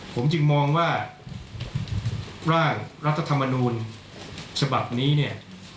ผมจึงมองว่าร่างรัฐธรรมนุนฉบับนี้